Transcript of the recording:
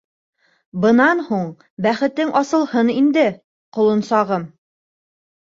Бынан һуң бәхетең асылһын инде, ҡолонсағым!..